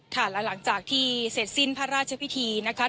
หลังจากที่เสร็จสิ้นพระราชพิธีนะคะ